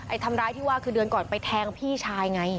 ทำร้ายที่ว่าคือเดือนก่อนไปแทงพี่ชายไง